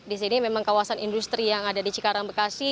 di sini memang kawasan industri yang ada di cikarang bekasi